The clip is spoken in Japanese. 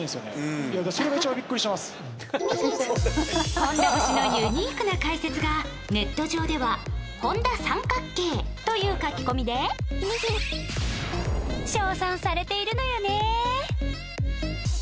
本田節のユニークな解説がネット上では本田△という書き込みで称賛されているのよね。